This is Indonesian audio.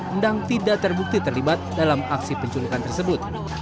endang tidak terbukti terlibat dalam aksi penculikan tersebut